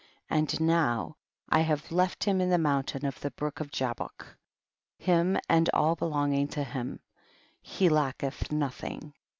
62. And now I have left him in the mountain of the brook of Jabuk, him and all belonging to him ; he lacketh nothing.